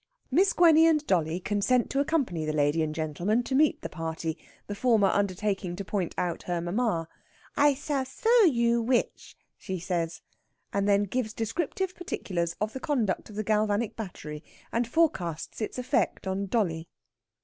Miss Gwenny and dolly consent to accompany the lady and gentleman to meet the party, the former undertaking to point out her mamma. "I sail sow you wiss," she says; and then gives descriptive particulars of the conduct of the galvanic battery, and forecasts its effect on dolly.